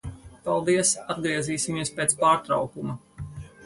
Paldies. Atgriezīsimies pēc pārtraukuma.